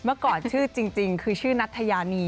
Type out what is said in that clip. เมื่อก่อนชื่อจริงคือชื่อนัทยานี